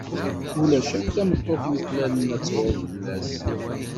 Ulac akk tameṭṭut yuklalen ad truḍ fell-as.